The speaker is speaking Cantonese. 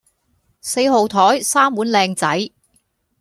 四號枱三碗靚仔